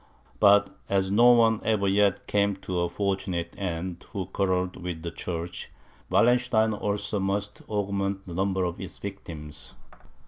But as no one ever yet came to a fortunate end who quarrelled with the Church, Wallenstein also must augment the number of its victims.